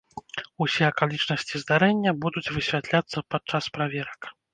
Усё акалічнасці здарэння будуць высвятляцца падчас праверак.